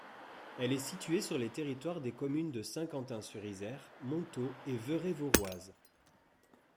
Elle est située sur les territoires des communes de Saint-Quentin-sur-Isère, Montaud et Veurey-Voroize.